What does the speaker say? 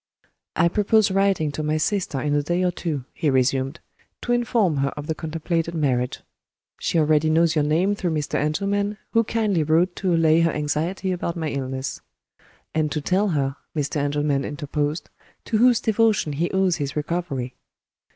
"I propose writing to my sister in a day or two," he resumed, "to inform her of the contemplated marriage. She already knows your name through Mr. Engelman, who kindly wrote to allay her anxiety about my illness." "And to tell her," Mr. Engelman interposed, "to whose devotion he owes his recovery."